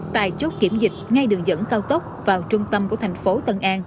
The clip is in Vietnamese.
tại chốt kiểm dịch ngay đường dẫn cao tốc vào trung tâm của thành phố tân an